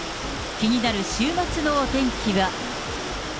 気になる週末のお天気は。